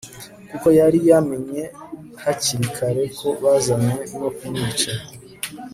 kuko yari yamenye hakiri kare ko bazanywe no kumwica